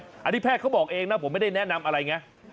อันนี้แพทย์เขาบอกเองนะผมไม่ได้แนะนำอะไรไง